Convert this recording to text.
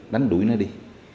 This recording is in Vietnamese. đánh đuổi nó đi